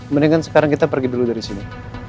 mendingan sekarang kita pergi dulu dari sini